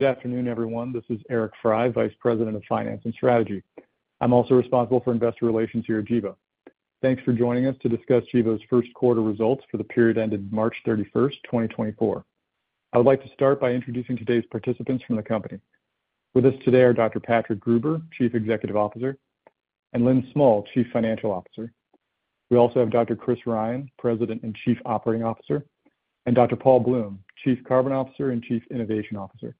Good afternoon, everyone. This is Eric Frey, Vice President of Finance and Strategy. I'm also responsible for investor relations here at Gevo. Thanks for joining us to discuss Gevo's first quarter results for the period ended March 31st, 2024. I would like to start by introducing today's participants from the company. With us today are Dr. Patrick Gruber, Chief Executive Officer, and Lynn Smull, Chief Financial Officer. We also have Dr. Chris Ryan, President and Chief Operating Officer, and Dr. Paul Bloom, Chief Carbon Officer and Chief Innovation Officer.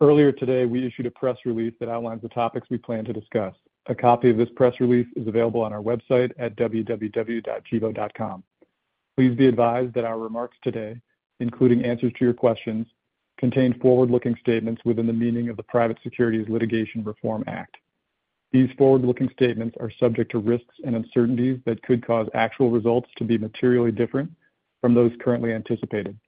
Earlier today, we issued a press release that outlines the topics we plan to discuss. A copy of this press release is available on our website at www.gevo.com. Please be advised that our remarks today, including answers to your questions, contain forward-looking statements within the meaning of the Private Securities Litigation Reform Act. These forward-looking statements are subject to risks and uncertainties that could cause actual results to be materially different from those currently anticipated.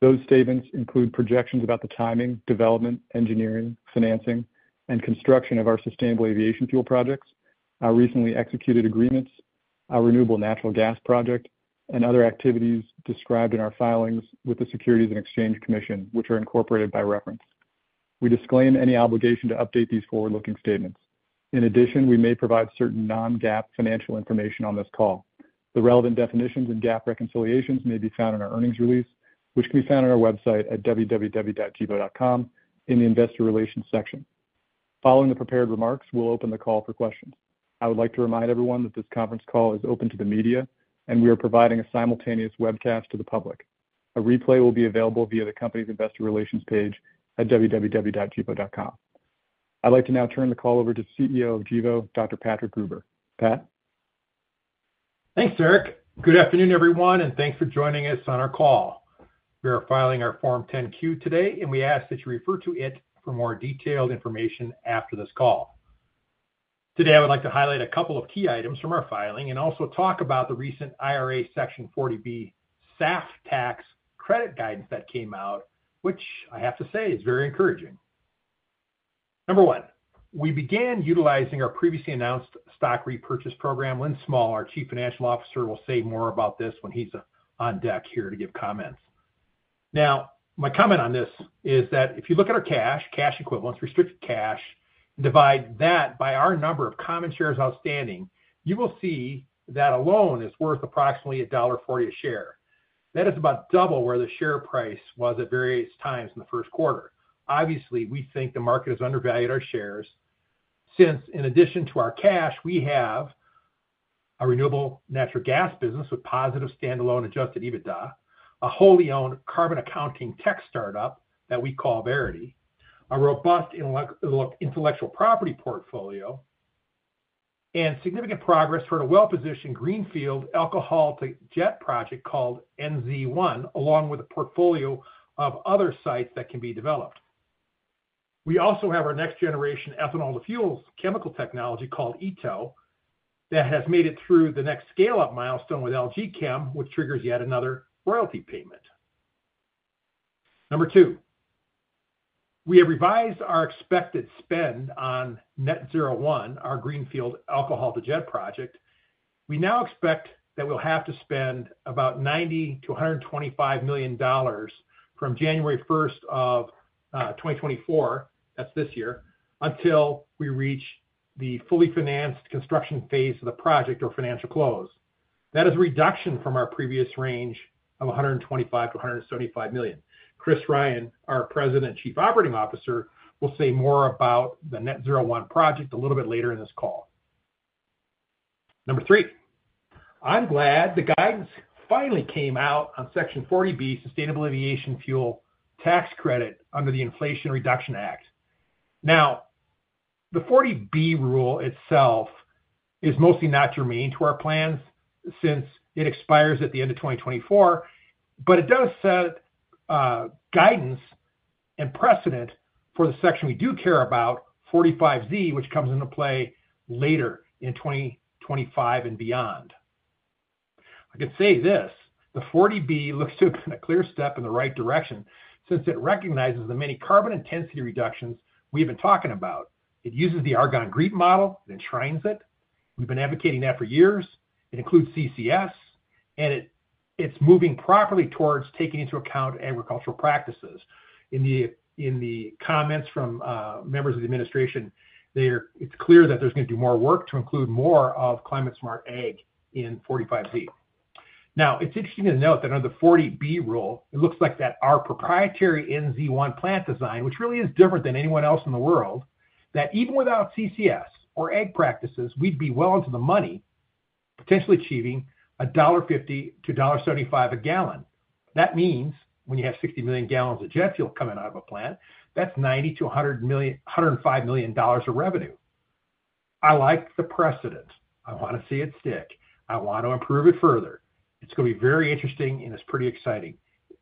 Those statements include projections about the timing, development, engineering, financing, and construction of our sustainable aviation fuel projects, our recently executed agreements, our renewable natural gas project, and other activities described in our filings with the Securities and Exchange Commission, which are incorporated by reference. We disclaim any obligation to update these forward-looking statements. In addition, we may provide certain non-GAAP financial information on this call. The relevant definitions and GAAP reconciliations may be found in our earnings release, which can be found on our website at www.gevo.com in the Investor Relations section. Following the prepared remarks, we'll open the call for questions. I would like to remind everyone that this conference call is open to the media, and we are providing a simultaneous webcast to the public. A replay will be available via the company's Investor Relations page at www.gevo.com. I'd like to now turn the call over to CEO of Gevo, Dr. Patrick Gruber. Pat? Thanks, Eric. Good afternoon, everyone, and thanks for joining us on our call. We are filing our Form 10-Q today, and we ask that you refer to it for more detailed information after this call. Today, I would like to highlight a couple of key items from our filing and also talk about the recent IRA Section 40B SAF Tax Credit Guidance that came out, which I have to say is very encouraging. Number one, we began utilizing our previously announced stock repurchase program. Lynn Smull, our Chief Financial Officer, will say more about this when he's on deck here to give comments. Now, my comment on this is that if you look at our cash, cash equivalents, restricted cash, and divide that by our number of common shares outstanding, you will see that alone is worth approximately $1.40 a share. That is about double where the share price was at various times in the first quarter. Obviously, we think the market has undervalued our shares since, in addition to our cash, we have a renewable natural gas business with positive standalone Adjusted EBITDA, a wholly owned carbon accounting tech startup that we call Verity, a robust intellectual property portfolio, and significant progress for a well-positioned greenfield alcohol-to-jet project called NZ1, along with a portfolio of other sites that can be developed. We also have our next-generation ethanol-to-fuels chemical technology called ETO that has made it through the next scale-up milestone with LG Chem, which triggers yet another royalty payment. Number two, we have revised our expected spend on Net Zero One, our greenfield alcohol-to-jet project. We now expect that we'll have to spend about $90-$125 million from January 1st of 2024, that's this year, until we reach the fully financed construction phase of the project or financial close. That is a reduction from our previous range of $125-$175 million. Chris Ryan, our President and Chief Operating Officer, will say more about the Net Zero One project a little bit later in this call. Number three, I'm glad the guidance finally came out on Section 40B Sustainable Aviation Fuel Tax Credit under the Inflation Reduction Act. Now, the 40B rule itself is mostly not germane to our plans since it expires at the end of 2024, but it does set guidance and precedent for the section we do care about, 45Z, which comes into play later in 2025 and beyond. I can say this: the 40B looks to have been a clear step in the right direction since it recognizes the many carbon intensity reductions we've been talking about. It uses the Argonne-GREET model and enshrines it. We've been advocating that for years. It includes CCS, and it's moving properly towards taking into account agricultural practices. In the comments from members of the administration, it's clear that there's going to be more work to include more of Climate-Smart Ag in 45Z. Now, it's interesting to note that under the 40B rule, it looks like that our proprietary NZ1 plant design, which really is different than anyone else in the world, that even without CCS or ag practices, we'd be well into the money, potentially achieving $1.50-$1.75 a gallon. That means when you have 60 million gallons of jet fuel coming out of a plant, that's $90-$105 million of revenue. I like the precedent. I want to see it stick. I want to improve it further. It's going to be very interesting, and it's pretty exciting.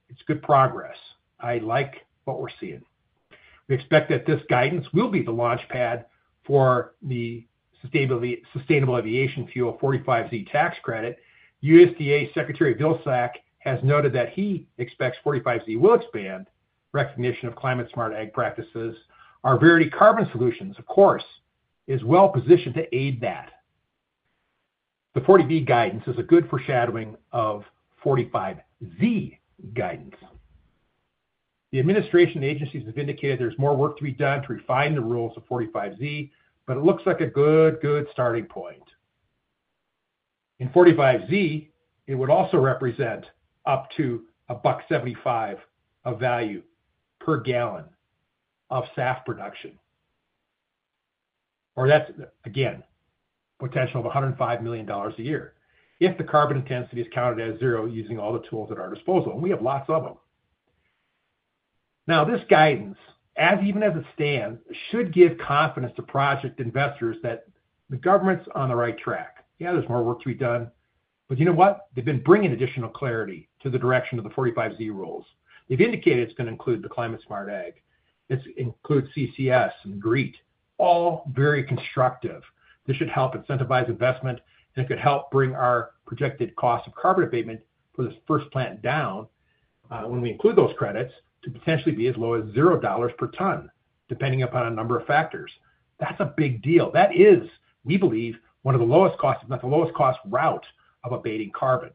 It's good progress. I like what we're seeing. We expect that this guidance will be the launchpad for the Sustainable Aviation Fuel 45Z Tax Credit. USDA Secretary Vilsack has noted that he expects 45Z will expand recognition of climate-smart ag practices. Our Verity Carbon Solutions, of course, is well positioned to aid that. The 40B guidance is a good foreshadowing of 45Z guidance. The administration and agencies have indicated there's more work to be done to refine the rules of 45Z, but it looks like a good, good starting point. In 45Z, it would also represent up to $1.75 of value per gallon of SAF production, or that's, again, a potential of $105 million a year if the carbon intensity is counted as zero using all the tools at our disposal, and we have lots of them. Now, this guidance, even as it stands, should give confidence to project investors that the government's on the right track. Yeah, there's more work to be done, but you know what? They've been bringing additional clarity to the direction of the 45Z rules. They've indicated it's going to include the climate-smart Ag. It includes CCS and GREET, all very constructive. This should help incentivize investment, and it could help bring our projected cost of carbon abatement for this first plant down when we include those credits to potentially be as low as $0 per ton, depending upon a number of factors. That's a big deal. That is, we believe, one of the lowest costs - if not the lowest cost - routes of abating carbon.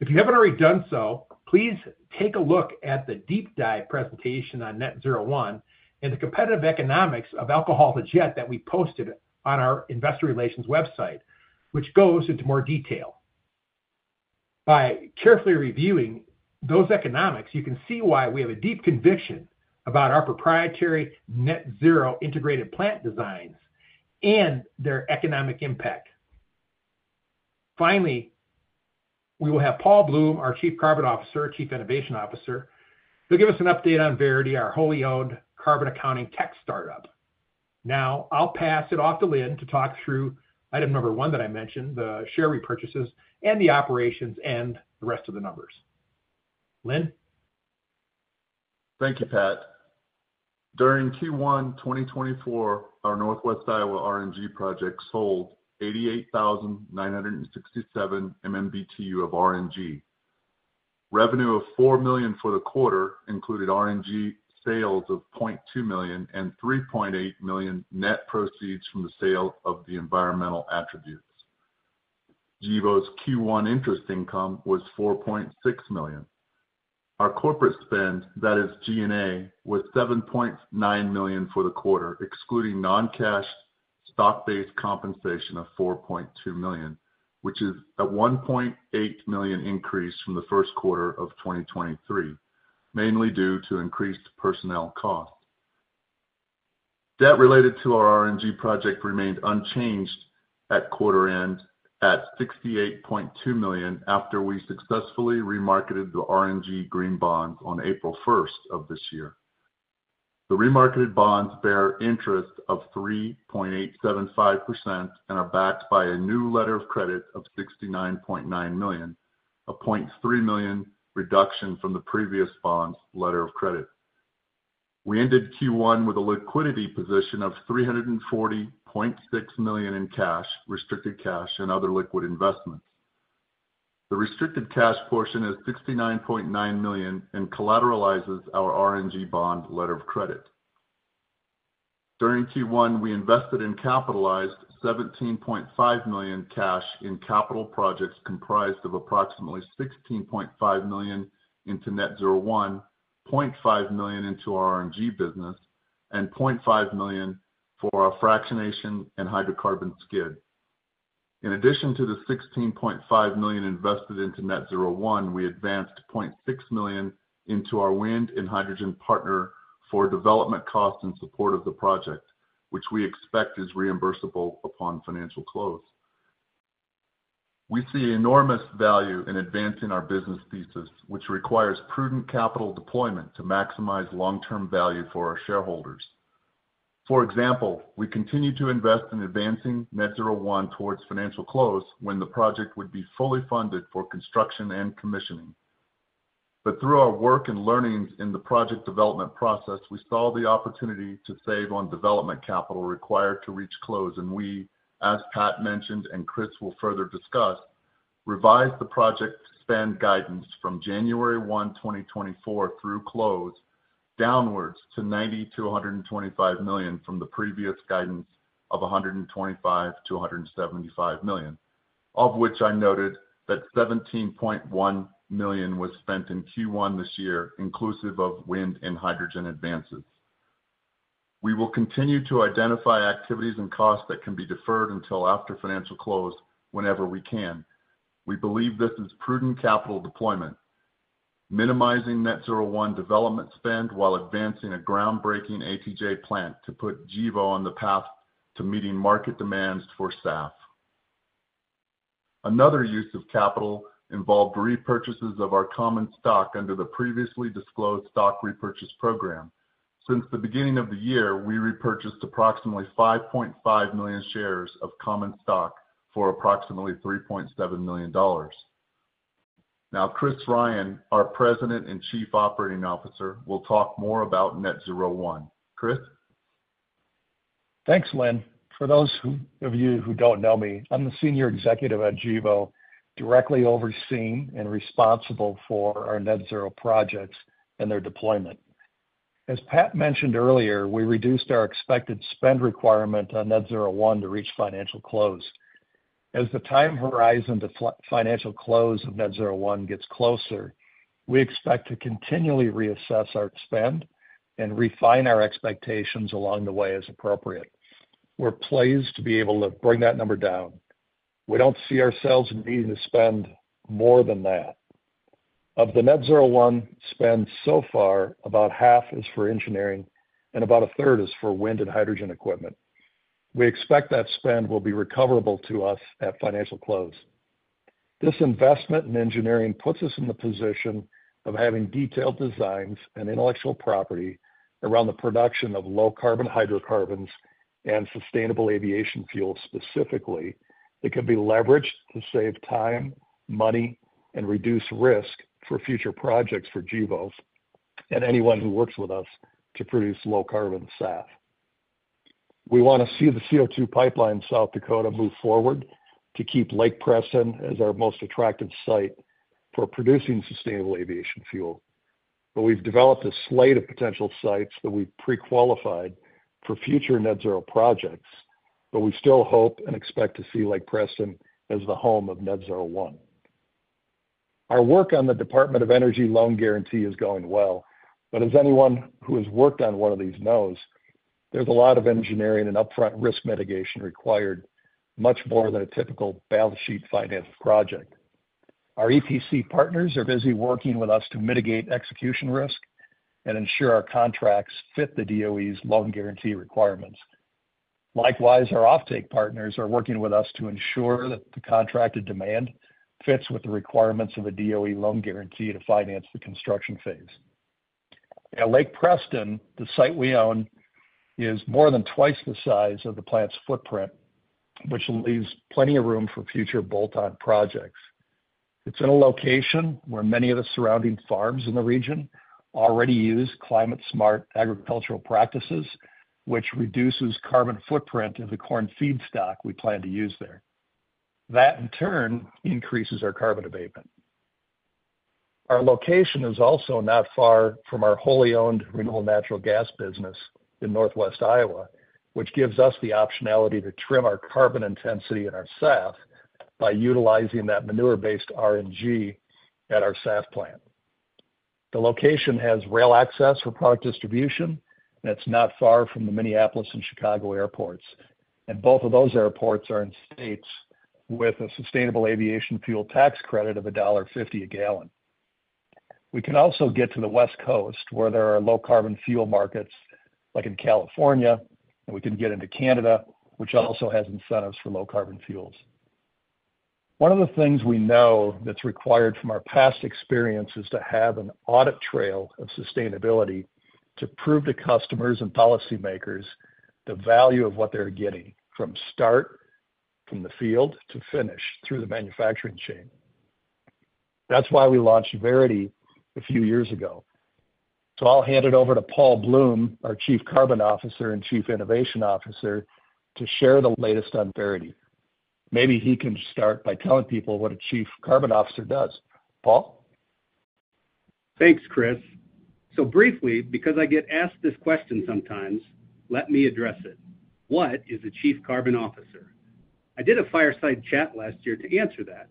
If you haven't already done so, please take a look at the deep dive presentation on Net Zero One and the competitive economics of alcohol-to-jet that we posted on our Investor Relations website, which goes into more detail. By carefully reviewing those economics, you can see why we have a deep conviction about our proprietary Net Zero integrated plant designs and their economic impact. Finally, we will have Paul Bloom, our Chief Carbon Officer, Chief Innovation Officer. He'll give us an update on Verity, our wholly owned carbon accounting tech startup. Now, I'll pass it off to Lynn to talk through item number one that I mentioned, the share repurchases and the operations and the rest of the numbers. Lynn? Thank you, Pat. During Q1 2024, our Northwest Iowa RNG project sold 88,967 MMBTU of RNG. Revenue of $4 million for the quarter included RNG sales of $0.2 million and $3.8 million net proceeds from the sale of the environmental attributes. Gevo's Q1 interest income was $4.6 million. Our corporate spend, that is G&A, was $7.9 million for the quarter, excluding non-cash stock-based compensation of $4.2 million, which is a $1.8 million increase from the first quarter of 2023, mainly due to increased personnel costs. Debt related to our RNGproject remained unchanged at quarter end at $68.2 million after we successfully remarketed the RNG green bonds on April 1st of this year. The remarketed bonds bear interest of 3.875% and are backed by a new letter of credit of $69.9 million, a $0.3 million reduction from the previous bonds letter of credit. We ended Q1 with a liquidity position of $340.6 million in cash, restricted cash, and other liquid investments. The restricted cash portion is $69.9 million and collateralizes our RNG bond letter of credit. During Q1, we invested and capitalized $17.5 million cash in capital projects comprised of approximately $16.5 million into Net Zero One, $0.5 million into our RNG business, and $0.5 million for our fractionation and hydrocarbon skid. In addition to the $16.5 million invested into Net Zero One, we advanced $0.6 million into our wind and hydrogen partner for development costs in support of the project, which we expect is reimbursable upon financial close. We see enormous value in advancing our business thesis, which requires prudent capital deployment to maximize long-term value for our shareholders. For example, we continue to invest in advancing Net Zero One towards financial close when the project would be fully funded for construction and commissioning. But through our work and learnings in the project development process, we saw the opportunity to save on development capital required to reach close, and we, as Pat mentioned and Chris will further discuss, revised the project spend guidance from January 1, 2024, through close downwards to $90 million-$125 million from the previous guidance of $125 million-$175 million, of which I noted that $17.1 million was spent in Q1 this year, inclusive of wind and hydrogen advances. We will continue to identify activities and costs that can be deferred until after financial close whenever we can. We believe this is prudent capital deployment, minimizing Net Zero One development spend while advancing a groundbreaking ATJ plant to put Gevo on the path to meeting market demands for SAF. Another use of capital involved repurchases of our common stock under the previously disclosed stock repurchase program. Since the beginning of the year, we repurchased approximately 5.5 million shares of common stock for approximately $3.7 million. Now, Chris Ryan, our President and Chief Operating Officer, will talk more about Net Zero One. Chris? Thanks, Lynn. For those of you who don't know me, I'm the Senior Executive at Gevo, directly overseeing and responsible for our Net Zero projects and their deployment. As Pat mentioned earlier, we reduced our expected spend requirement on Net Zero One to reach Financial Close. As the time horizon to Financial Close of Net Zero One gets closer, we expect to continually reassess our spend and refine our expectations along the way as appropriate. We're pleased to be able to bring that number down. We don't see ourselves needing to spend more than that. Of the Net Zero One spend so far, about half is for engineering and about a third is for wind and hydrogen equipment. We expect that spend will be recoverable to us at Financial Close. This investment in engineering puts us in the position of having detailed designs and intellectual property around the production of low-carbon hydrocarbons and sustainable aviation fuels specifically that can be leveraged to save time, money, and reduce risk for future projects for Gevo and anyone who works with us to produce low-carbon SAF. We want to see the CO2 pipeline in South Dakota move forward to keep Lake Preston as our most attractive site for producing sustainable aviation fuel, but we've developed a slate of potential sites that we've pre-qualified for future Net Zero projects, but we still hope and expect to see Lake Preston as the home of Net Zero One. Our work on the Department of Energy loan guarantee is going well, but as anyone who has worked on one of these knows, there's a lot of engineering and upfront risk mitigation required, much more than a typical balance sheet finance project. Our EPC partners are busy working with us to mitigate execution risk and ensure our contracts fit the DOE's loan guarantee requirements. Likewise, our offtake partners are working with us to ensure that the contracted demand fits with the requirements of a DOE loan guarantee to finance the construction phase. Now, Lake Preston, the site we own, is more than twice the size of the plant's footprint, which leaves plenty of room for future bolt-on projects. It's in a location where many of the surrounding farms in the region already use Climate-Smart agricultural practices, which reduces carbon footprint of the corn feedstock we plan to use there. That, in turn, increases our carbon abatement. Our location is also not far from our wholly owned renewable natural gas business in Northwest Iowa, which gives us the optionality to trim our carbon intensity in our SAF by utilizing that manure-based RNG at our SAF plant. The location has rail access for product distribution, and it's not far from the Minneapolis and Chicago airports, and both of those airports are in states with a sustainable aviation fuel tax credit of $1.50 a gallon. We can also get to the West Coast, where there are low-carbon fuel markets like in California, and we can get into Canada, which also has incentives for low-carbon fuels. One of the things we know that's required from our past experience is to have an audit trail of sustainability to prove to customers and policymakers the value of what they're getting from start, from the field to finish, through the manufacturing chain. That's why we launched Verity a few years ago. So I'll hand it over to Paul Bloom, our Chief Carbon Officer and Chief Innovation Officer, to share the latest on Verity. Maybe he can start by telling people what a Chief Carbon Officer does. Paul? Thanks, Chris. So briefly, because I get asked this question sometimes, let me address it. What is a Chief Carbon Officer? I did a fireside chat last year to answer that.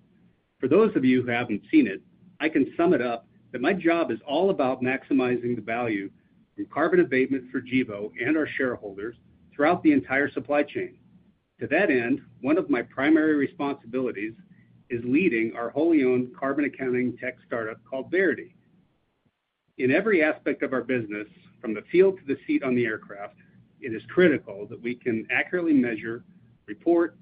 For those of you who haven't seen it, I can sum it up that my job is all about maximizing the value from carbon abatement for Gevo and our shareholders throughout the entire supply chain. To that end, one of my primary responsibilities is leading our wholly owned carbon accounting tech startup called Verity. In every aspect of our business, from the field to the seat on the aircraft, it is critical that we can accurately measure, report,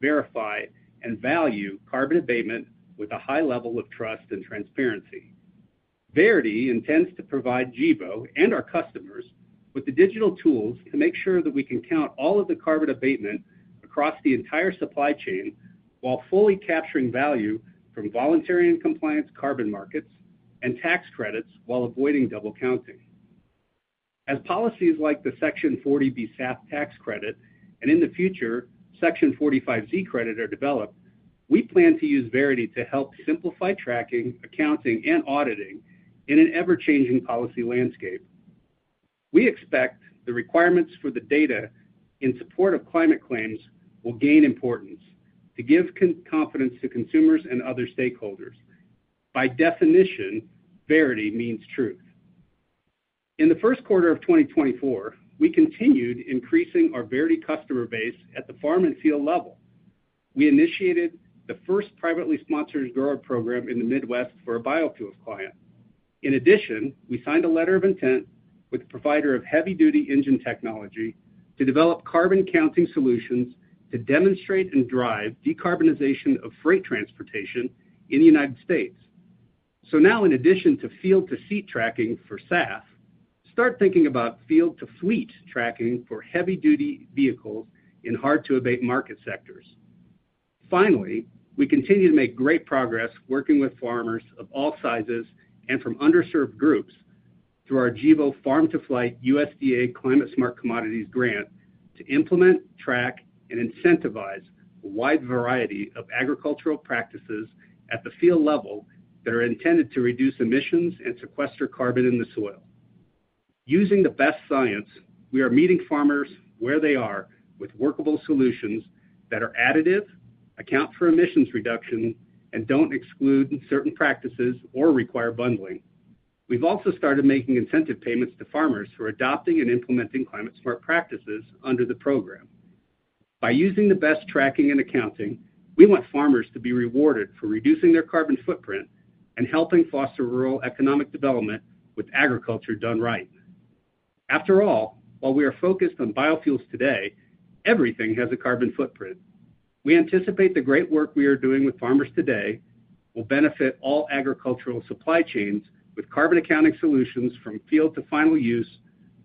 verify, and value carbon abatement with a high level of trust and transparency. Verity intends to provide Gevo and our customers with the digital tools to make sure that we can count all of the carbon abatement across the entire supply chain while fully capturing value from voluntary and compliant carbon markets and tax credits while avoiding double counting. As policies like the Section 40B SAF tax credit and, in the future, Section 45Z credit are developed, we plan to use Verity to help simplify tracking, accounting, and auditing in an ever-changing policy landscape. We expect the requirements for the data in support of climate claims will gain importance to give confidence to consumers and other stakeholders. By definition, Verity means truth. In the first quarter of 2024, we continued increasing our Verity customer base at the farm and field level. We initiated the first privately sponsored grower program in the Midwest for a biofuel client. In addition, we signed a letter of intent with the provider of heavy-duty engine technology to develop carbon counting solutions to demonstrate and drive decarbonization of freight transportation in the United States. So now, in addition to field-to-seat tracking for SAF, start thinking about field-to-fleet tracking for heavy-duty vehicles in hard-to-abate market sectors. Finally, we continue to make great progress working with farmers of all sizes and from underserved groups through our Gevo Farm-to-Flight USDA Climate-Smart Commodities grant to implement, track, and incentivize a wide variety of agricultural practices at the field level that are intended to reduce emissions and sequester carbon in the soil. Using the best science, we are meeting farmers where they are with workable solutions that are additive, account for emissions reduction, and don't exclude certain practices or require bundling. We've also started making incentive payments to farmers who are adopting and implementing climate-smart practices under the program. By using the best tracking and accounting, we want farmers to be rewarded for reducing their carbon footprint and helping foster rural economic development with agriculture done right. After all, while we are focused on biofuels today, everything has a carbon footprint. We anticipate the great work we are doing with farmers today will benefit all agricultural supply chains with carbon accounting solutions from field to final use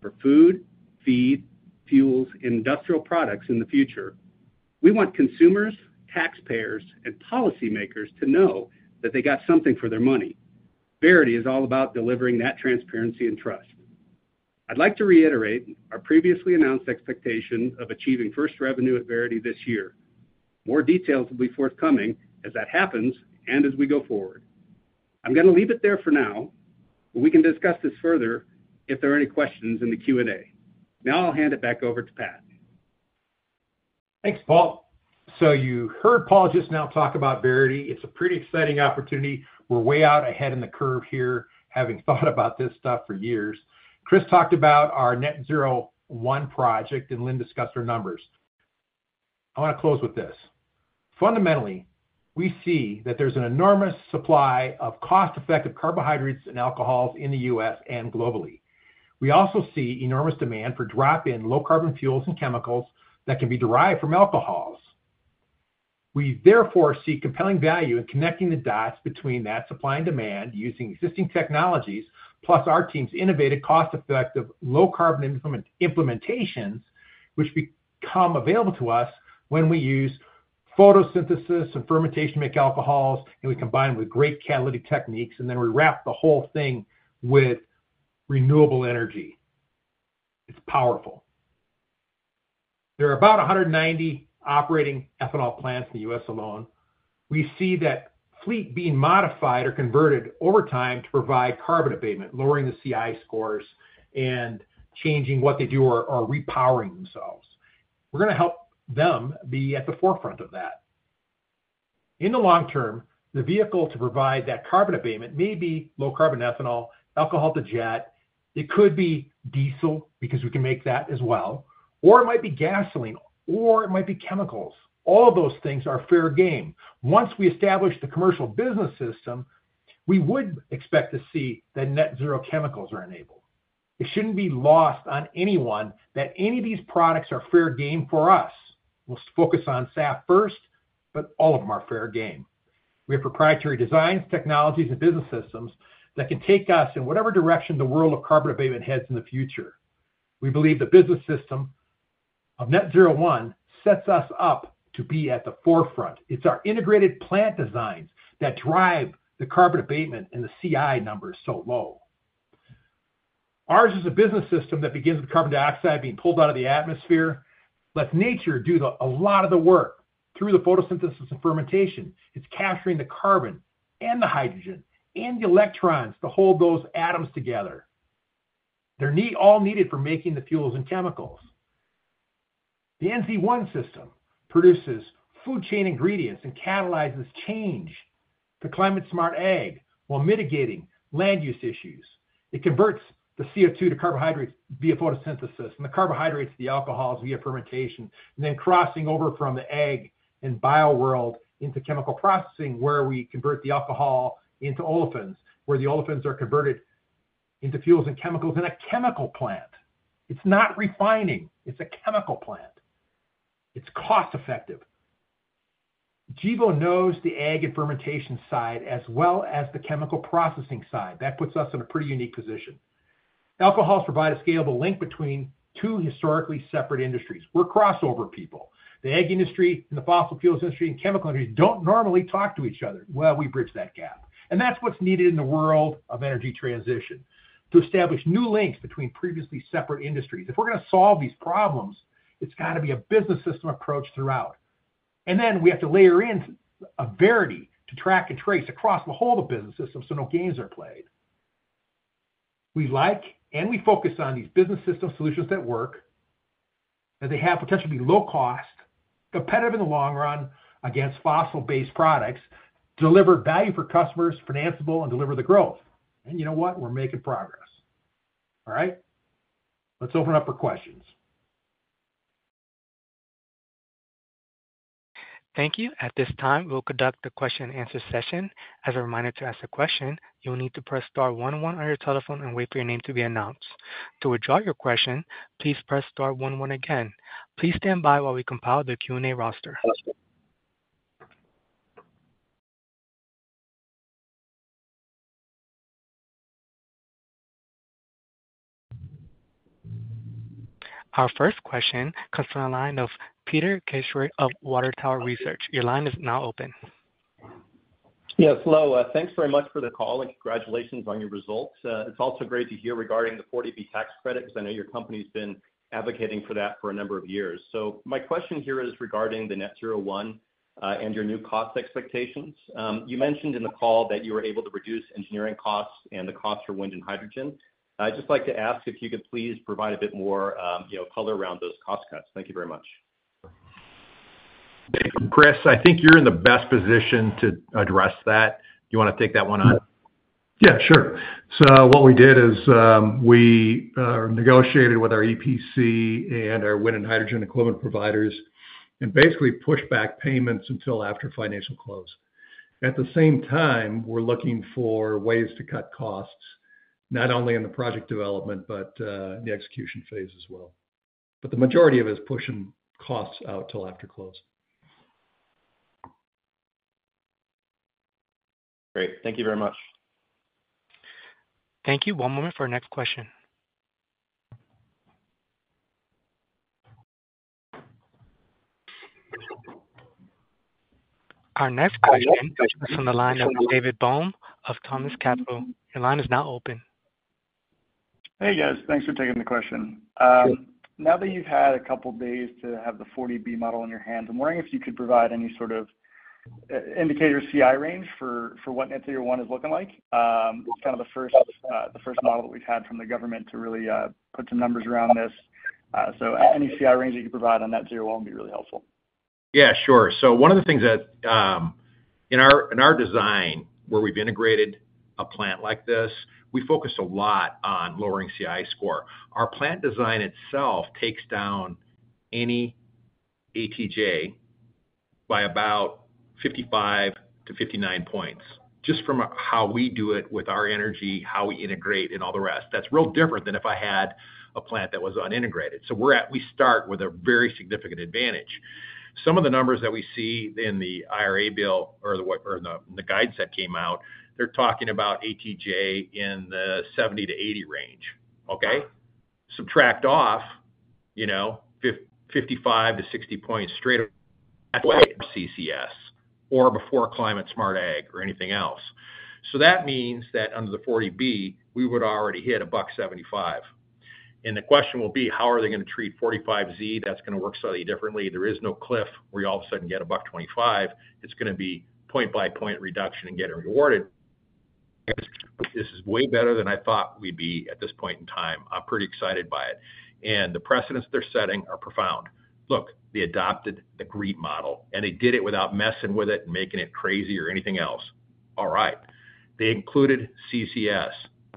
for food, feed, fuels, and industrial products in the future. We want consumers, taxpayers, and policymakers to know that they got something for their money. Verity is all about delivering that transparency and trust. I'd like to reiterate our previously announced expectation of achieving first revenue at Verity this year. More details will be forthcoming as that happens and as we go forward. I'm going to leave it there for now, but we can discuss this further if there are any questions in the Q&A. Now I'll hand it back over to Pat. Thanks, Paul. So you heard Paul just now talk about Verity. It's a pretty exciting opportunity. We're way out ahead in the curve here, having thought about this stuff for years. Chris talked about our Net Zero One project, and Lynn discussed our numbers. I want to close with this. Fundamentally, we see that there's an enormous supply of cost-effective carbohydrates and alcohols in the U.S. and globally. We also see enormous demand for drop-in low-carbon fuels and chemicals that can be derived from alcohols. We, therefore, see compelling value in connecting the dots between that supply and demand using existing technologies plus our team's innovative cost-effective low-carbon implementations, which become available to us when we use photosynthesis and fermentation to make alcohols, and we combine them with great catalytic techniques, and then we wrap the whole thing with renewable energy. It's powerful. There are about 190 operating ethanol plants in the U.S. alone. We see that fleet being modified or converted over time to provide carbon abatement, lowering the CI scores, and changing what they do or repowering themselves. We're going to help them be at the forefront of that. In the long term, the vehicle to provide that carbon abatement may be low-carbon ethanol, alcohol to jet. It could be diesel because we can make that as well, or it might be gasoline, or it might be chemicals. All of those things are fair game. Once we establish the commercial business system, we would expect to see that net-zero chemicals are enabled. It shouldn't be lost on anyone that any of these products are fair game for us. We'll focus on SAF first, but all of them are fair game. We have proprietary designs, technologies, and business systems that can take us in whatever direction the world of carbon abatement heads in the future. We believe the business system of Net Zero One sets us up to be at the forefront. It's our integrated plant designs that drive the carbon abatement and the CI numbers so low. Ours is a business system that begins with carbon dioxide being pulled out of the atmosphere. Let nature do a lot of the work through the photosynthesis and fermentation. It's capturing the carbon and the hydrogen and the electrons to hold those atoms together. They're all needed for making the fuels and chemicals. The NZ1 system produces food chain ingredients and catalyzes change to climate-smart ag while mitigating land use issues. It converts the CO2 to carbohydrates via photosynthesis and the carbohydrates to the alcohols via fermentation, and then crossing over from the ag and bio world into chemical processing where we convert the alcohol into olefins, where the olefins are converted into fuels and chemicals in a chemical plant. It's not refining. It's a chemical plant. It's cost-effective. Gevo knows the ag and fermentation side as well as the chemical processing side. That puts us in a pretty unique position. Alcohols provide a scalable link between two historically separate industries. We're crossover people. The ag industry and the fossil fuels industry and chemical industries don't normally talk to each other. Well, we bridge that gap. And that's what's needed in the world of energy transition, to establish new links between previously separate industries. If we're going to solve these problems, it's got to be a business system approach throughout. And then we have to layer in a Verity to track and trace across the whole of the business system so no gains are played. We like and we focus on these business system solutions that work, that they have potentially be low-cost, competitive in the long run against fossil-based products, deliver value for customers, financeable, and deliver the growth. And you know what? We're making progress. All right? Let's open up for questions. Thank you. At this time, we'll conduct the question-and-answer session. As a reminder to ask a question, you'll need to press star one one on your telephone and wait for your name to be announced. To withdraw your question, please press star one one again. Please stand by while we compile the Q&A roster. Our first question comes from a line of Peter Gastreich of Water Tower Research. Your line is now open. Yes, Lowe, thanks very much for the call and congratulations on your results. It's also great to hear regarding the 40B tax credit because I know your company's been advocating for that for a number of years. My question here is regarding the Net Zero One and your new cost expectations. You mentioned in the call that you were able to reduce engineering costs and the cost for wind and hydrogen. I'd just like to ask if you could please provide a bit more color around those cost cuts. Thank you very much. Chris, I think you're in the best position to address that. Do you want to take that one on? Yeah, sure. So what we did is we negotiated with our EPC and our wind and hydrogen equivalent providers and basically pushed back payments until after financial close. At the same time, we're looking for ways to cut costs, not only in the project development but in the execution phase as well. But the majority of it is pushing costs out till after close. Great. Thank you very much. Thank you. One moment for our next question. Our next question comes from the line of David Boehm of Thomist Capital. Your line is now open. Hey, guys. Thanks for taking the question. Now that you've had a couple of days to have the 40B model in your hands, I'm wondering if you could provide any sort of indicator CI range for what Net Zero One is looking like. It's kind of the first model that we've had from the government to really put some numbers around this. So any CI range that you could provide on Net Zero One would be really helpful. Yeah, sure. So one of the things that in our design, where we've integrated a plant like this, we focus a lot on lowering CI score. Our plant design itself takes down any ATJ by about 55-59 points, just from how we do it with our energy, how we integrate, and all the rest. That's real different than if I had a plant that was unintegrated. So we start with a very significant advantage. Some of the numbers that we see in the IRA bill or the guides that came out, they're talking about ATJ in the 70-80 range, okay? Subtract off 55-60 points straight away. CCS or before climate-smart ag or anything else. So that means that under the 40B, we would already hit $1.75. And the question will be, how are they going to treat 45Z? That's going to work slightly differently. There is no cliff where you all of a sudden get $1.25. It's going to be point-by-point reduction and getting rewarded. This is way better than I thought we'd be at this point in time. I'm pretty excited by it. And the precedents they're setting are profound. Look, they adopted the GREET model, and they did it without messing with it and making it crazy or anything else. All right. They included CCS.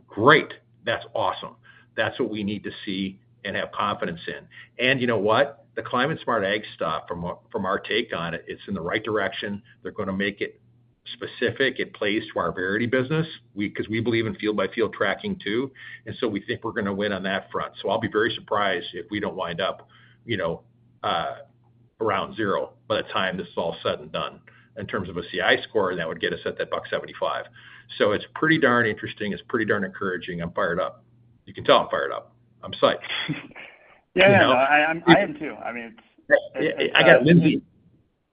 Great. That's awesome. That's what we need to see and have confidence in. And you know what? The climate-smart ag stuff, from our take on it, it's in the right direction. They're going to make it specific, it plays to our Verity business because we believe in field-by-field tracking too. And so we think we're going to win on that front. So I'll be very surprised if we don't wind up around zero by the time this is all said and done in terms of a CI score that would get us at that $1.75. So it's pretty darn interesting. It's pretty darn encouraging. I'm fired up. You can tell I'm fired up. I'm psyched. Yeah, no, I am too. I mean, it's.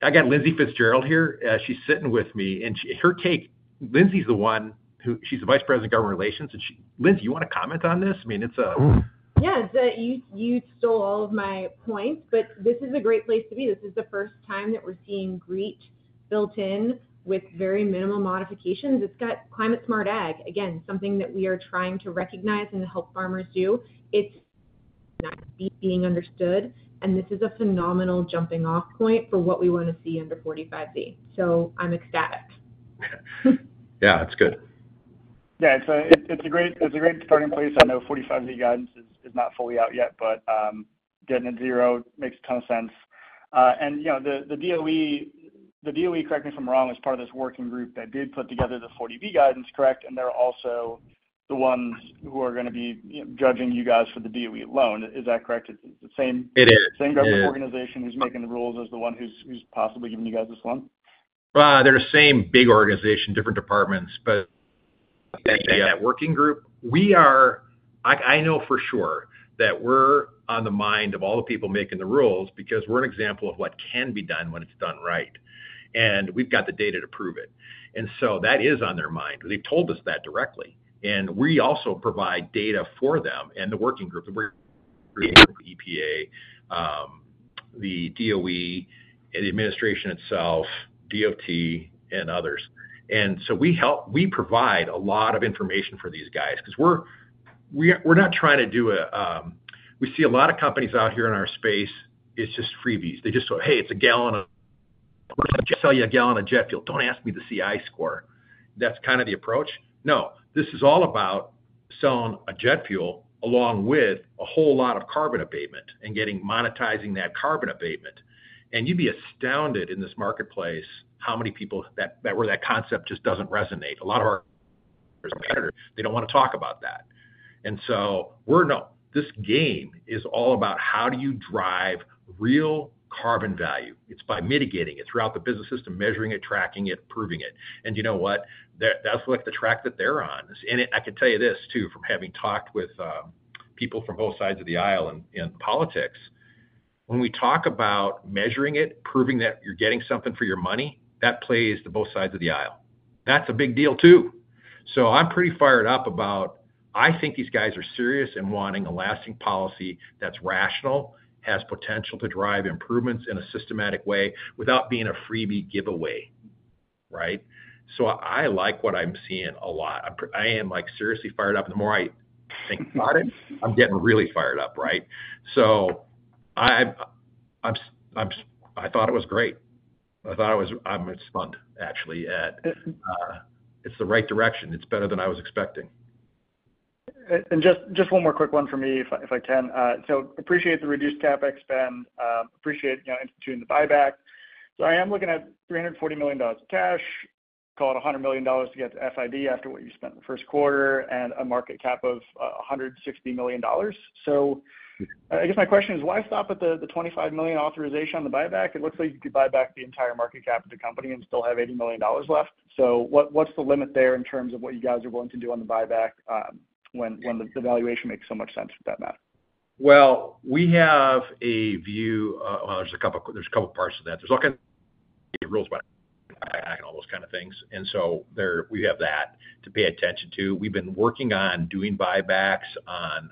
I got Lindsay Fitzgerald here. She's sitting with me. And her take, Lindsay's the one who she's the Vice President of Government Relations. And Lindsay, you want to comment on this? I mean, it's a. Yeah, you stole all of my points, but this is a great place to be. This is the first time that we're seeing GREET built-in with very minimal modifications. It's got climate-smart ag, again, something that we are trying to recognize and help farmers do. It's not being understood. And this is a phenomenal jumping-off point for what we want to see under 45Z. So I'm ecstatic. Yeah, it's good. Yeah, it's a great starting place. I know 45Z guidance is not fully out yet, but getting to zero makes a ton of sense. And the DOE, correct me if I'm wrong, is part of this working group that did put together the 40B guidance, correct? And they're also the ones who are going to be judging you guys for the DOE loan. Is that correct? It's the same government organization who's making the rules as the one who's possibly giving you guys this loan? They're the same big organization, different departments, but that working group, I know for sure that we're on the mind of all the people making the rules because we're an example of what can be done when it's done right. And we've got the data to prove it. And so that is on their mind. They've told us that directly. And we also provide data for them and the working group. We're the EPA, the DOE, the administration itself, DOT, and others. And so we provide a lot of information for these guys because we're not trying to do a we see a lot of companies out here in our space, it's just freebies. They just go, "Hey, it's a gallon of we're going to sell you a gallon of jet fuel. Don't ask me the CI score." That's kind of the approach. No, this is all about selling a jet fuel along with a whole lot of carbon abatement and monetizing that carbon abatement. And you'd be astounded in this marketplace how many people with whom that concept just doesn't resonate. A lot of our competitors, they don't want to talk about that. And so no, this game is all about how do you drive real carbon value. It's by mitigating it throughout the business system, measuring it, tracking it, proving it. And you know what? That's the track that they're on. And I can tell you this too, from having talked with people from both sides of the aisle in politics, when we talk about measuring it, proving that you're getting something for your money, that plays to both sides of the aisle. That's a big deal too. I'm pretty fired up about I think these guys are serious and wanting a lasting policy that's rational, has potential to drive improvements in a systematic way without being a freebie giveaway, right? So I like what I'm seeing a lot. I am seriously fired up. The more I think about it, I'm getting really fired up, right? So I thought it was great. I'm stunned, actually, at it's the right direction. It's better than I was expecting. Just one more quick one for me, if I can. I appreciate the reduced CapEx. I appreciate instituting the buyback. I am looking at $340 million cash, call it $100 million to get to FID after what you spent the first quarter, and a market cap of $160 million. I guess my question is, why stop at the $25 million authorization on the buyback? It looks like you could buy back the entire market cap of the company and still have $80 million left. What's the limit there in terms of what you guys are willing to do on the buyback when the valuation makes so much sense with that math? Well, we have a view. Well, there's a couple of parts of that. There's all kinds of rules about action, all those kind of things. And so we have that to pay attention to. We've been working on doing buybacks. On,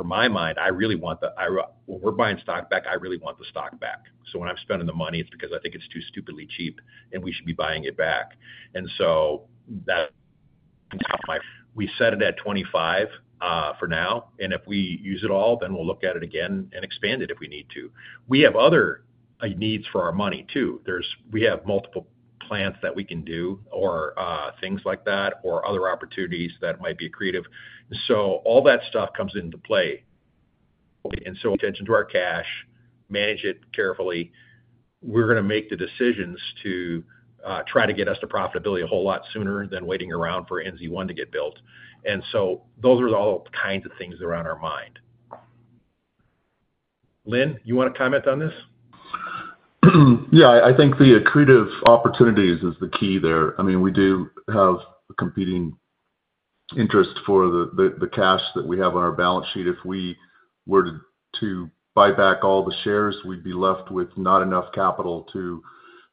in my mind, I really want the—when we're buying stock back, I really want the stock back. So when I'm spending the money, it's because I think it's too stupidly cheap and we should be buying it back. And so that's my. We set it at $25 for now. And if we use it all, then we'll look at it again and expand it if we need to. We have other needs for our money too. We have multiple plants that we can do or things like that or other opportunities that might be creative. And so all that stuff comes into play. And so. Attention to our cash, manage it carefully. We're going to make the decisions to try to get us to profitability a whole lot sooner than waiting around for NZ1 to get built. Those are all kinds of things that are on our mind. Lynn, you want to comment on this? Yeah, I think the accretive opportunities is the key there. I mean, we do have a competing interest for the cash that we have on our balance sheet. If we were to buy back all the shares, we'd be left with not enough capital to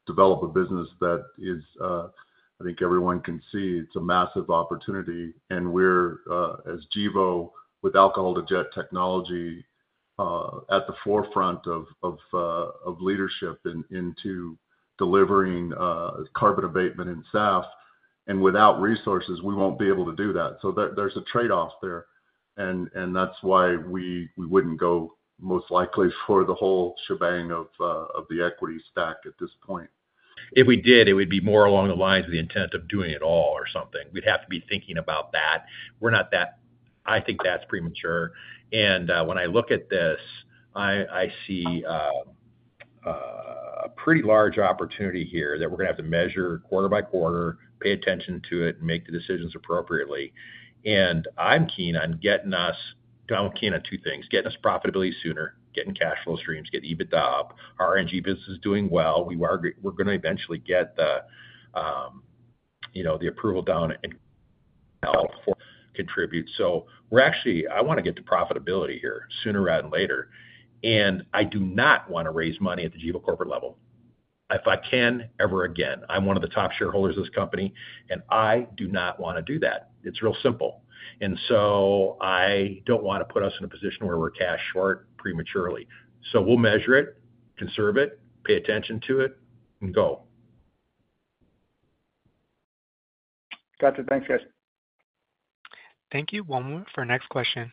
develop a business that is, I think everyone can see, it's a massive opportunity. And we're, as Gevo with alcohol-to-jet technology, at the forefront of leadership into delivering carbon abatement in SAF. And without resources, we won't be able to do that. So there's a trade-off there. And that's why we wouldn't go most likely for the whole shebang of the equity stack at this point. If we did, it would be more along the lines of the intent of doing it all or something. We'd have to be thinking about that. I think that's premature. And when I look at this, I see a pretty large opportunity here that we're going to have to measure quarter by quarter, pay attention to it, and make the decisions appropriately. And I'm keen on getting us. I'm keen on two things, getting us profitability sooner, getting cash flow streams, getting EBITDA up. Our RNG business is doing well. We're going to eventually get the approval down and help contribute. So I want to get to profitability here, sooner rather than later. And I do not want to raise money at the Gevo corporate level, if I can ever again. I'm one of the top shareholders of this company, and I do not want to do that. It's real simple. And so I don't want to put us in a position where we're cash short prematurely. So we'll measure it, conserve it, pay attention to it, and go. Gotcha. Thanks, guys. Thank you. One more for our next question.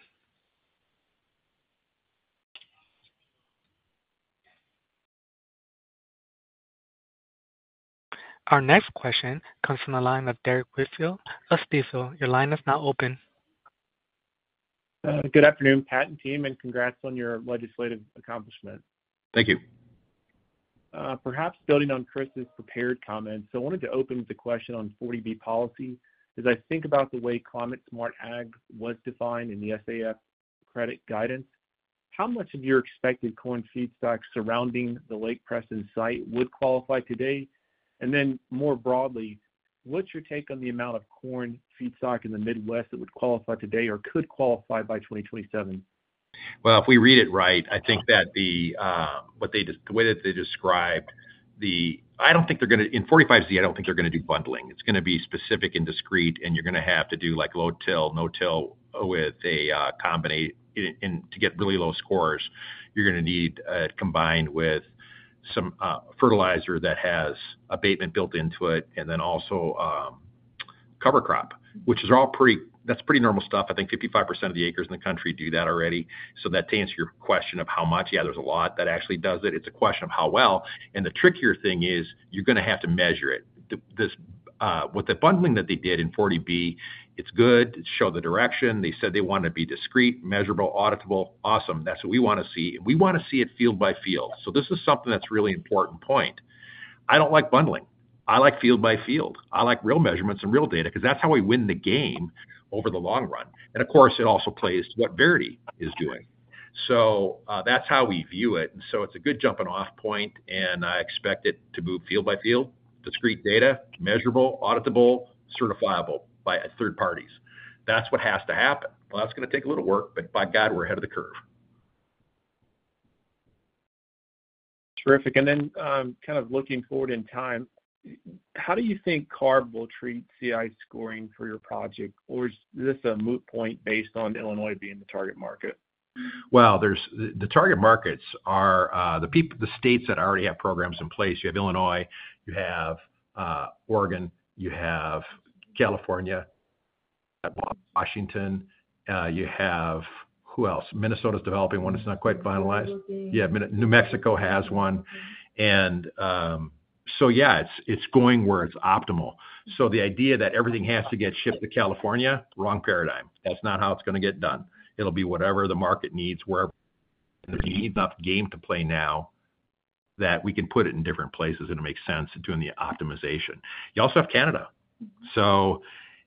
Our next question comes from the line of Derrick Whitfield of Stifel. Your line is now open. Good afternoon, Pat and team, and congrats on your legislative accomplishment. Thank you. Perhaps building on Chris's prepared comments, I wanted to open with a question on 40B policy. As I think about the way climate-smart ag was defined in the SAF credit guidance, how much of your expected corn feedstock surrounding the Lake Preston site would qualify today? And then more broadly, what's your take on the amount of corn feedstock in the Midwest that would qualify today or could qualify by 2027? Well, if we read it right, I think that what they described, I don't think they're going to in 45Z. I don't think they're going to do bundling. It's going to be specific and discrete, and you're going to have to do low-till, no-till with a combination to get really low scores. You're going to need it combined with some fertilizer that has abatement built into it and then also cover crop, which is all pretty normal stuff. I think 55% of the acres in the country do that already. So that to answer your question of how much, yeah, there's a lot that actually does it. It's a question of how well. And the trickier thing is you're going to have to measure it. With the bundling that they did in 40B, it's good. It showed the direction. They said they wanted to be discrete, measurable, auditable. Awesome. That's what we want to see. We want to see it field by field. This is something that's a really important point. I don't like bundling. I like field by field. I like real measurements and real data because that's how we win the game over the long run. Of course, it also plays to what Verity is doing. That's how we view it. It's a good jumping-off point, and I expect it to move field by field, discrete data, measurable, auditable, certifiable by third parties. That's what has to happen. Well, that's going to take a little work, but by God, we're ahead of the curve. Terrific. And then kind of looking forward in time, how do you think CARB will treat CI scoring for your project? Or is this a moot point based on Illinois being the target market? Wow, the target markets are the states that already have programs in place. You have Illinois. You have Oregon. You have California. You have Washington. You have who else? Minnesota's developing one. It's not quite finalized. Yeah, New Mexico has one. And so yeah, it's going where it's optimal. So the idea that everything has to get shipped to California, wrong paradigm. That's not how it's going to get done. It'll be whatever the market needs, wherever there's enough game to play now that we can put it in different places and it makes sense doing the optimization. You also have Canada. So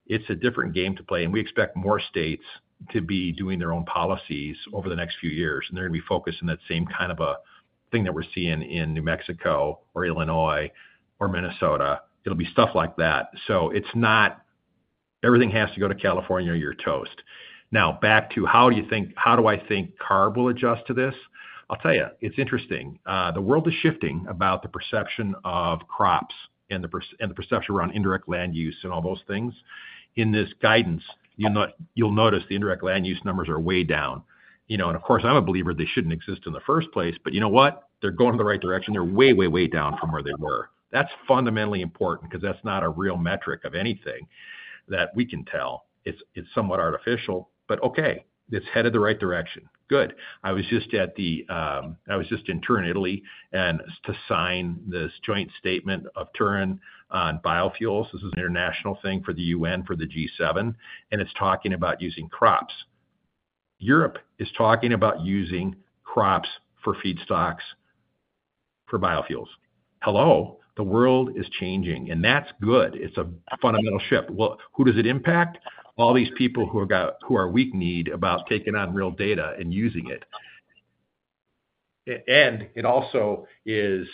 it's a different game to play. And we expect more states to be doing their own policies over the next few years. And they're going to be focused on that same kind of a thing that we're seeing in New Mexico or Illinois or Minnesota. It'll be stuff like that. So everything has to go to California, you're toast. Now, back to how do I think CARB will adjust to this? I'll tell you, it's interesting. The world is shifting about the perception of crops and the perception around indirect land use and all those things. In this guidance, you'll notice the indirect land use numbers are way down. And of course, I'm a believer they shouldn't exist in the first place. But you know what? They're going in the right direction. They're way, way, way down from where they were. That's fundamentally important because that's not a real metric of anything that we can tell. It's somewhat artificial. But okay, it's headed the right direction. Good. I was just in Turin, Italy, to sign this joint statement of Turin on biofuels. This is an international thing for the UN for the G7. And it's talking about using crops. Europe is talking about using crops for feedstocks for biofuels. Hello, the world is changing. And that's good. It's a fundamental shift. Well, who does it impact? All these people who are weak-kneed about taking on real data and using it. And it also is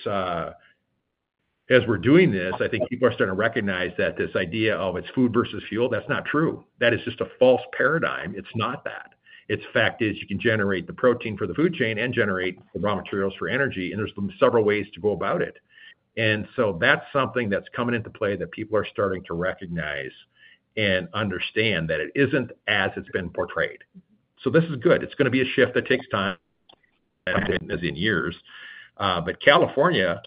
as we're doing this, I think people are starting to recognize that this idea of it's food versus fuel, that's not true. That is just a false paradigm. It's not that. The fact is you can generate the protein for the food chain and generate the raw materials for energy. And there's several ways to go about it. And so that's something that's coming into play that people are starting to recognize and understand that it isn't as it's been portrayed. So this is good. It's going to be a shift that takes time, as in years. But California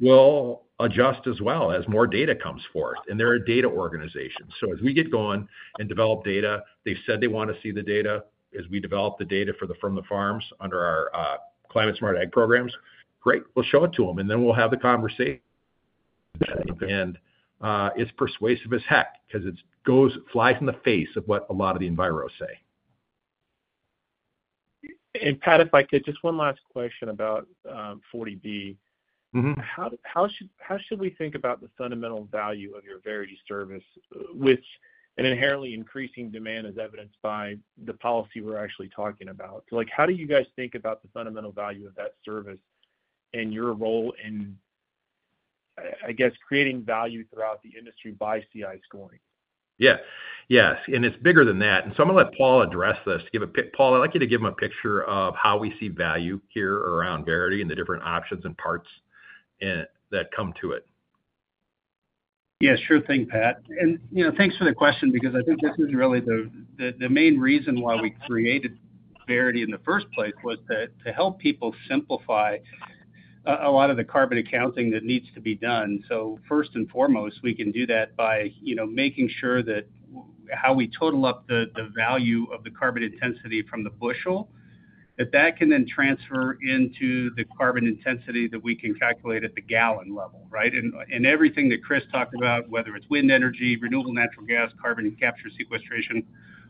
will adjust as well as more data comes forth. And they're a data organization. So as we get going and develop data, they've said they want to see the data. As we develop the data from the farms under our climate-smart ag programs, great, we'll show it to them. And then we'll have the conversation. And it's persuasive as heck because it flies in the face of what a lot of the enviro say. Pat, if I could, just one last question about 40B. How should we think about the fundamental value of your Verity service with an inherently increasing demand as evidenced by the policy we're actually talking about? How do you guys think about the fundamental value of that service and your role in, I guess, creating value throughout the industry by CI scoring? Yeah. Yes. It's bigger than that. So I'm going to let Paul address this. Paul, I'd like you to give them a picture of how we see value here around Verity and the different options and parts that come to it. Yeah, sure thing, Pat. And thanks for the question because I think this is really the main reason why we created Verity in the first place was to help people simplify a lot of the carbon accounting that needs to be done. So first and foremost, we can do that by making sure that how we total up the value of the carbon intensity from the bushel, that that can then transfer into the carbon intensity that we can calculate at the gallon level, right? And everything that Chris talked about, whether it's wind energy, renewable natural gas, carbon capture and sequestration,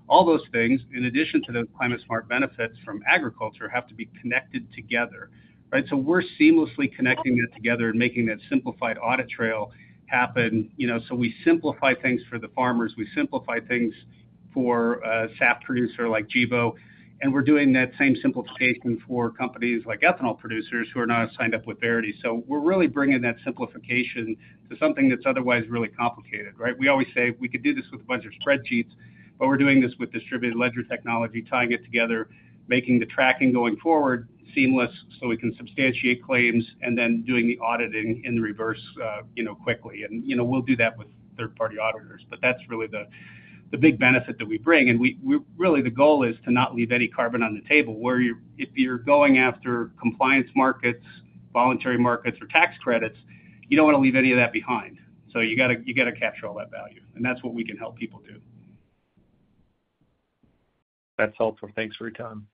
all those things, in addition to those climate-smart benefits from agriculture, have to be connected together, right? So we're seamlessly connecting that together and making that simplified audit trail happen. So we simplify things for the farmers. We simplify things for a SAF producer like Gevo. And we're doing that same simplification for companies like ethanol producers who are not signed up with Verity. So we're really bringing that simplification to something that's otherwise really complicated, right? We always say we could do this with a bunch of spreadsheets, but we're doing this with distributed ledger technology, tying it together, making the tracking going forward seamless so we can substantiate claims, and then doing the auditing in the reverse quickly. And we'll do that with third-party auditors. But that's really the big benefit that we bring. And really, the goal is to not leave any carbon on the table. If you're going after compliance markets, voluntary markets, or tax credits, you don't want to leave any of that behind. So you got to capture all that value. And that's what we can help people do. That's helpful. Thanks for your time.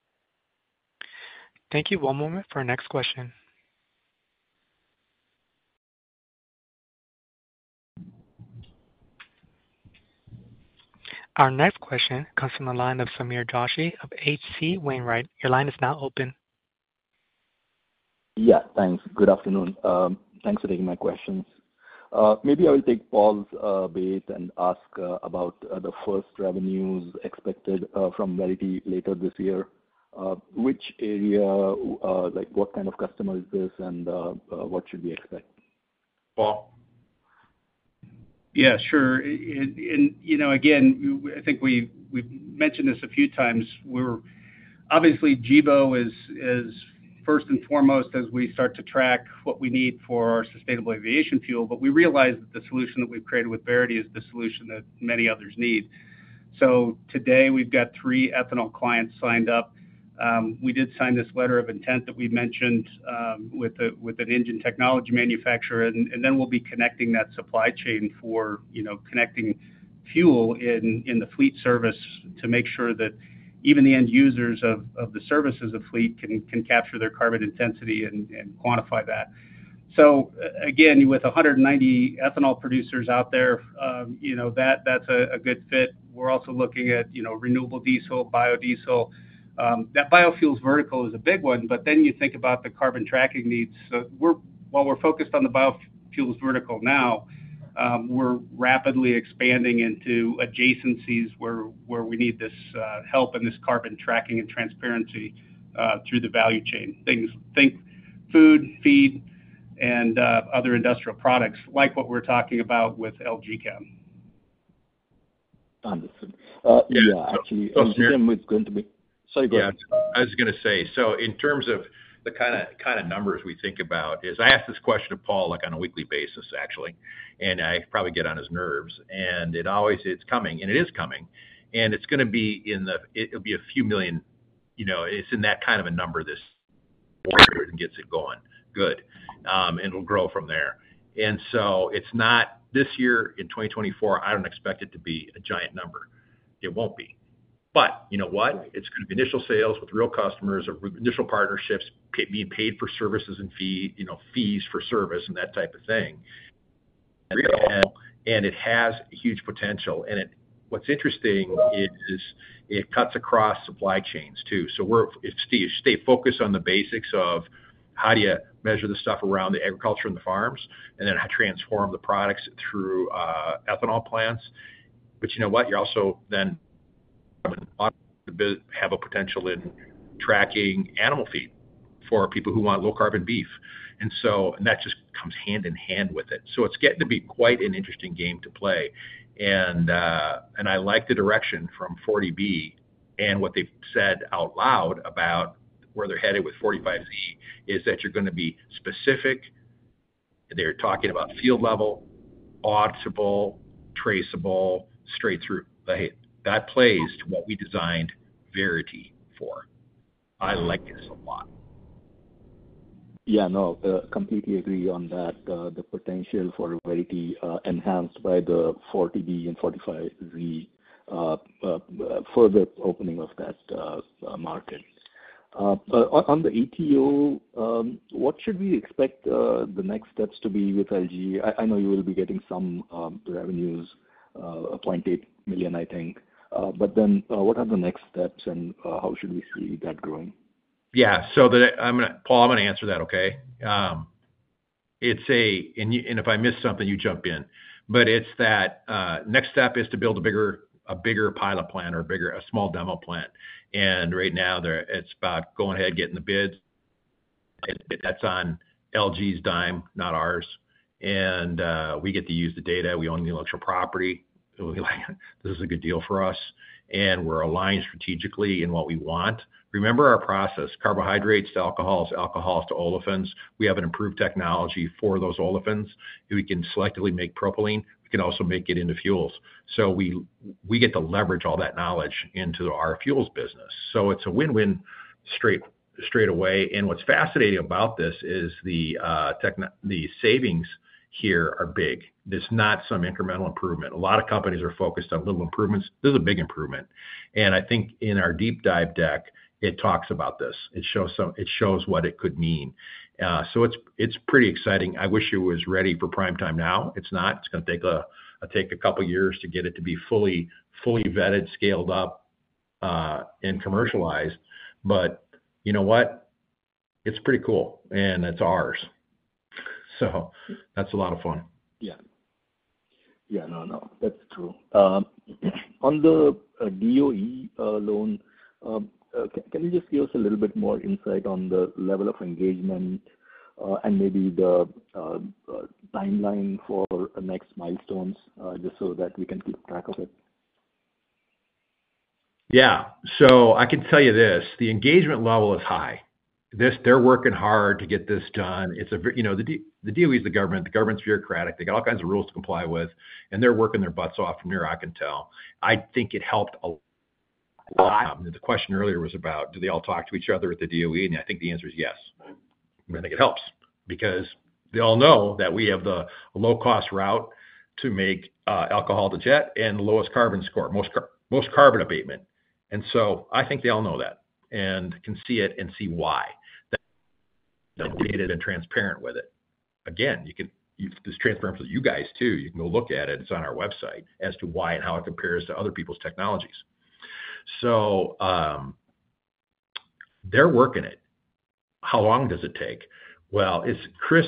Thank you. One moment for our next question. Our next question comes from the line of Sameer Joshi of HC Wainwright. Your line is now open. Yes, thanks. Good afternoon. Thanks for taking my questions. Maybe I will take Paul's bait and ask about the first revenues expected from Verity later this year. What kind of customer is this, and what should we expect? Paul. Yeah, sure. And again, I think we've mentioned this a few times. Obviously, Gevo is first and foremost as we start to track what we need for our sustainable aviation fuel, but we realize that the solution that we've created with Verity is the solution that many others need. So today, we've got three ethanol clients signed up. We did sign this letter of intent that we mentioned with an engine technology manufacturer. And then we'll be connecting that supply chain for connecting fuel in the fleet service to make sure that even the end users of the services of fleet can capture their carbon intensity and quantify that. So again, with 190 ethanol producers out there, that's a good fit. We're also looking at renewable diesel, biodiesel. That biofuels vertical is a big one, but then you think about the carbon tracking needs. So while we're focused on the biofuels vertical now, we're rapidly expanding into adjacencies where we need this help and this carbon tracking and transparency through the value chain. Think food, feed, and other industrial products like what we're talking about with LG Chem. Understood. Yeah, actually. Oh, sorry. Tim, it's going to be. Sorry, go ahead. Yeah, I was going to say, so in terms of the kind of numbers we think about is I ask this question to Paul on a weekly basis, actually, and I probably get on his nerves. And it's coming, and it is coming. And it's going to be in the, it'll be a few million. It's in that kind of a number this year and gets it going. Good. And it'll grow from there. And so this year, in 2024, I don't expect it to be a giant number. It won't be. But you know what? It's going to be initial sales with real customers, initial partnerships, being paid for services and fees, for service, and that type of thing. And it has huge potential. And what's interesting is it cuts across supply chains too. So if you stay focused on the basics of how do you measure the stuff around the agriculture and the farms, and then how to transform the products through ethanol plants. But you know what? You also then have a potential in tracking animal feed for people who want low-carbon beef. And that just comes hand in hand with it. So it's getting to be quite an interesting game to play. And I like the direction from 40B and what they've said out loud about where they're headed with 45Z is that you're going to be specific. They're talking about field level, auditable, traceable, straight through. That plays to what we designed Verity for. I like this a lot. Yeah, no, completely agree on that. The potential for Verity enhanced by the 40B and 45Z, further opening of that market. On the ETO, what should we expect the next steps to be with LG? I know you will be getting some revenues, $0.8 million, I think. But then what are the next steps, and how should we see that growing? Yeah, so Paul, I'm going to answer that, okay? And if I miss something, you jump in. But it's that next step is to build a bigger pilot plant or a small demo plant. And right now, it's about going ahead, getting the bids. That's on LG's dime, not ours. And we get to use the data. We own the intellectual property. We'll be like, "This is a good deal for us." And we're aligned strategically in what we want. Remember our process? Carbohydrates to alcohols, alcohols to olefins. We have an improved technology for those olefins. We can selectively make propylene. We can also make it into fuels. So we get to leverage all that knowledge into our fuels business. So it's a win-win straight away. And what's fascinating about this is the savings here are big. It's not some incremental improvement. A lot of companies are focused on little improvements. This is a big improvement. And I think in our deep dive deck, it talks about this. It shows what it could mean. So it's pretty exciting. I wish it was ready for prime time now. It's not. It's going to take a couple of years to get it to be fully vetted, scaled up, and commercialized. But you know what? It's pretty cool. And it's ours. So that's a lot of fun. Yeah. Yeah, no, no. That's true. On the DOE alone, can you just give us a little bit more insight on the level of engagement and maybe the timeline for next milestones just so that we can keep track of it? Yeah. So I can tell you this. The engagement level is high. They're working hard to get this done. The DOE is the government. The government's bureaucratic. They got all kinds of rules to comply with. And they're working their butts off from here, I can tell. I think it helped a lot. The question earlier was about, do they all talk to each other at the DOE? And I think the answer is yes. I think it helps because they all know that we have the low-cost route to make alcohol to jet and the lowest carbon score, most carbon abatement. And so I think they all know that and can see it and see why. They're data-led and transparent with it. Again, this transparency is you guys too. You can go look at it. It's on our website as to why and how it compares to other people's technologies. So they're working it. How long does it take? Well, Chris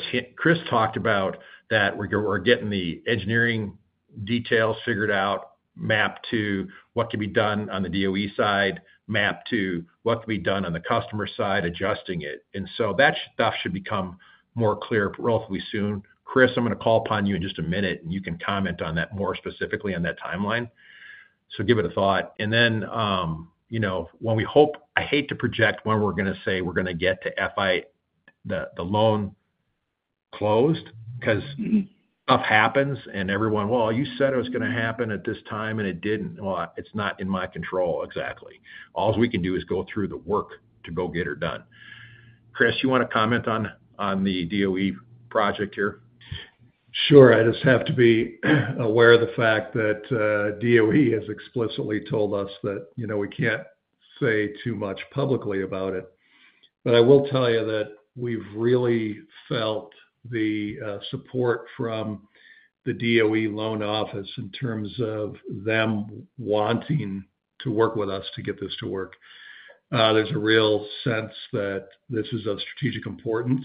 talked about that we're getting the engineering details figured out, mapped to what can be done on the DOE side, mapped to what can be done on the customer side, adjusting it. And so that stuff should become more clear relatively soon. Chris, I'm going to call upon you in just a minute, and you can comment on that more specifically on that timeline. So give it a thought. And then when we hope I hate to project when we're going to say we're going to get to the loan closed because stuff happens, and everyone, "Well, you said it was going to happen at this time, and it didn't." Well, it's not in my control exactly. All we can do is go through the work to go get it done. Chris, you want to comment on the DOE project here? Sure. I just have to be aware of the fact that DOE has explicitly told us that we can't say too much publicly about it. But I will tell you that we've really felt the support from the DOE loan office in terms of them wanting to work with us to get this to work. There's a real sense that this is of strategic importance.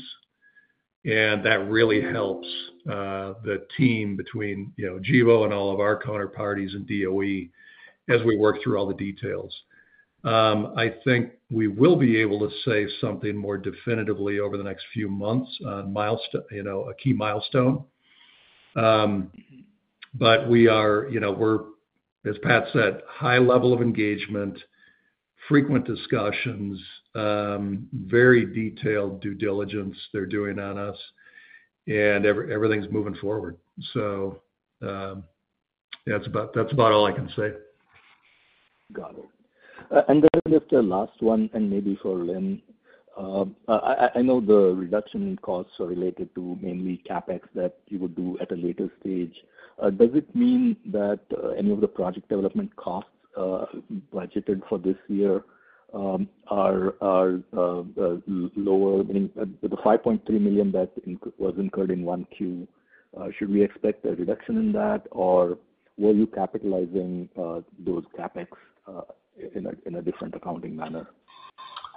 And that really helps the team between Gevo and all of our counterparties and DOE as we work through all the details. I think we will be able to say something more definitively over the next few months on a key milestone. But we are, as Pat said, high level of engagement, frequent discussions, very detailed due diligence they're doing on us. And everything's moving forward. So that's about all I can say. Got it. And then just the last one, and maybe for Lynn. I know the reduction in costs are related to mainly CapEx that you would do at a later stage. Does it mean that any of the project development costs budgeted for this year are lower? I mean, the $5.3 million that was incurred in 1Q, should we expect a reduction in that, or were you capitalizing those CapEx in a different accounting manner?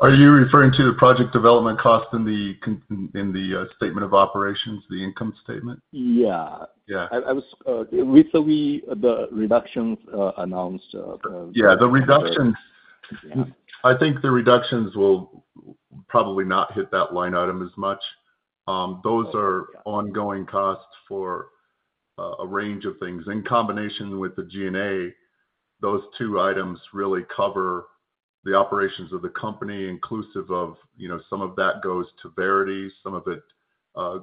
Are you referring to the project development costs in the statement of operations, the income statement? Yeah. So the reductions announced. Yeah, the reductions. I think the reductions will probably not hit that line item as much. Those are ongoing costs for a range of things. In combination with the G&A, those two items really cover the operations of the company, inclusive of some of that goes to Verity. Some of it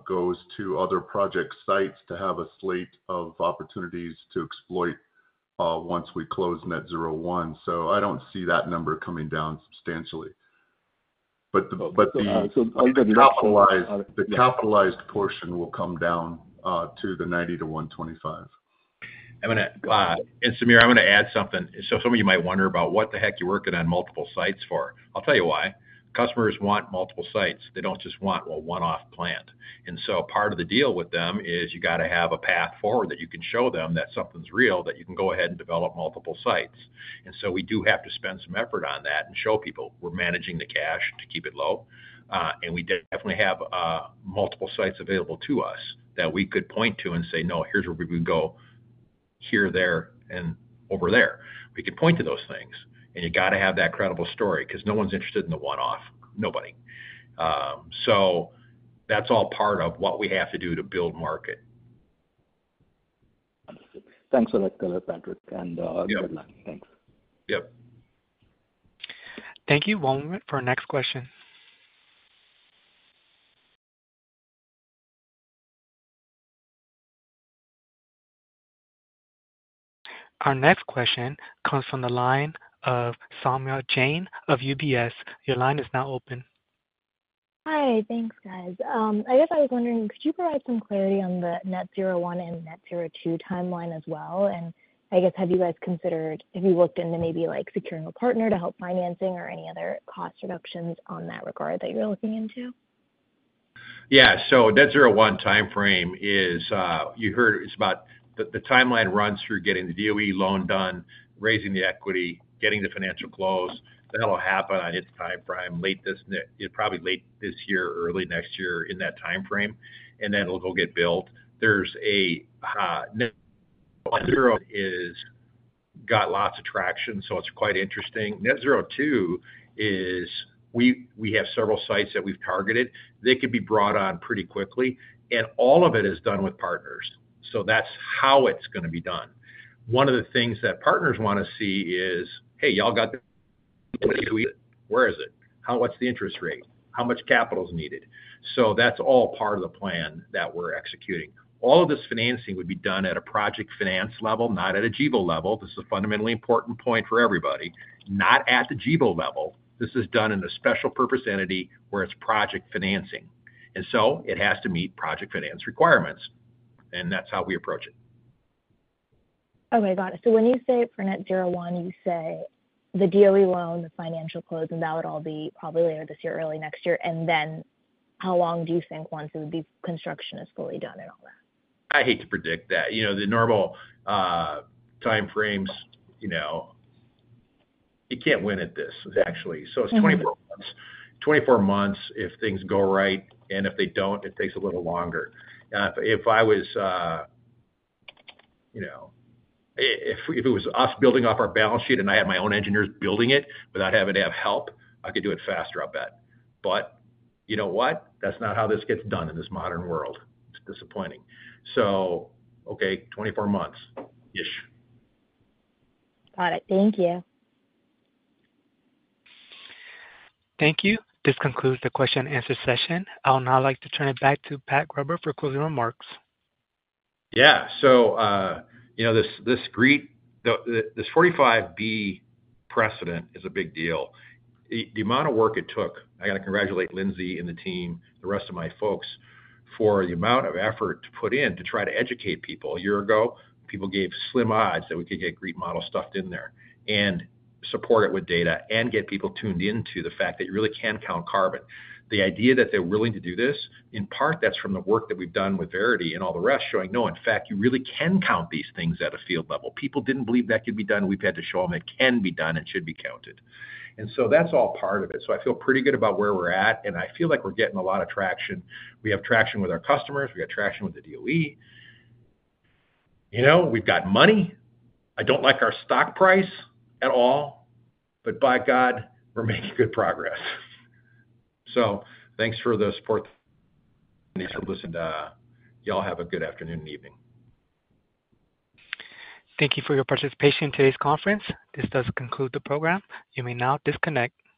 goes to other project sites to have a slate of opportunities to exploit once we close Net Zero 1. So I don't see that number coming down substantially. But the capitalized portion will come down to the $90-$125. And Sameer, I'm going to add something. So some of you might wonder about what the heck you're working on multiple sites for. I'll tell you why. Customers want multiple sites. They don't just want, well, one-off plant. And so part of the deal with them is you got to have a path forward that you can show them that something's real, that you can go ahead and develop multiple sites. And so we do have to spend some effort on that and show people we're managing the cash to keep it low. And we definitely have multiple sites available to us that we could point to and say, "No, here's where we can go here, there, and over there." We could point to those things. And you got to have that credible story because no one's interested in the one-off. Nobody. So that's all part of what we have to do to build market. Understood. Thanks a lot, Patrick. Good luck. Thanks. Yep. Thank you. One moment for our next question. Our next question comes from the line of Saumya Jain of UBS. Your line is now open. Hi. Thanks, guys. I guess I was wondering, could you provide some clarity on the Net-Zero One and Net-Zero Two timeline as well? And I guess, have you looked into maybe securing a partner to help financing or any other cost reductions on that regard that you're looking into? Yeah. So Net-Zero One timeframe is you heard it's about the timeline runs through getting the DOE loan done, raising the equity, getting the financial close. That'll happen on its timeframe late this probably late this year, early next year in that timeframe. And then it'll go get built. Net-Zero One got lots of traction, so it's quite interesting. Net-Zero Two is we have several sites that we've targeted. They could be brought on pretty quickly. And all of it is done with partners. So that's how it's going to be done. One of the things that partners want to see is, "Hey, y'all got the DOE. Where is it? What's the interest rate? How much capital is needed?" So that's all part of the plan that we're executing. All of this financing would be done at a project finance level, not at a Gevo level. This is a fundamentally important point for everybody. Not at the Gevo level. This is done in a special purpose entity where it's project financing. And so it has to meet project finance requirements. And that's how we approach it. Okay. Got it. So when you say for Net Zero One, you say the DOE loan, the financial close, and that would all be probably later this year, early next year. And then how long do you think once construction is fully done and all that? I hate to predict that. The normal timeframes, you can't win at this, actually. So it's 24 months. 24 months if things go right. And if they don't, it takes a little longer. If it was us building off our balance sheet and I had my own engineers building it without having to have help, I could do it faster, I bet. But you know what? That's not how this gets done in this modern world. It's disappointing. So okay, 24 months-ish. Got it. Thank you. Thank you. This concludes the question-and-answer session. I'll now like to turn it back to Pat Gruber for closing remarks. Yeah. So this 45Z precedent is a big deal. The amount of work it took I got to congratulate Lindsay and the team, the rest of my folks, for the amount of effort to put in to try to educate people. A year ago, people gave slim odds that we could get GREET model stuffed in there and support it with data and get people tuned into the fact that you really can count carbon. The idea that they're willing to do this, in part, that's from the work that we've done with Verity and all the rest showing, "No, in fact, you really can count these things at a field level." People didn't believe that could be done. We've had to show them it can be done and should be counted. And so that's all part of it. So I feel pretty good about where we're at. I feel like we're getting a lot of traction. We have traction with our customers. We have traction with the DOE. We've got money. I don't like our stock price at all. But by God, we're making good progress. Thanks for the support. Thanks for listening. Y'all have a good afternoon and evening. Thank you for your participation in today's conference. This does conclude the program. You may now disconnect.